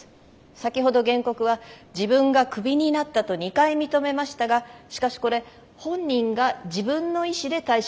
先ほど原告は自分がクビになったと２回認めましたがしかしこれ本人が自分の意思で退職届を書いています。